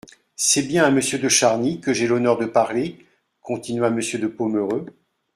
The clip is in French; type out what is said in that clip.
C'est bien à monsieur de Charny que j'ai l'honneur de parler ? continua Monsieur de Pomereux.